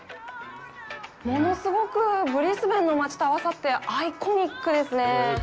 物すごくブリスベンの街と合わさってアイコニックですね。